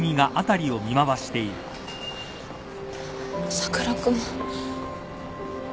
佐倉君。